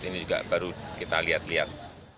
ini juga baru kita lihat lihat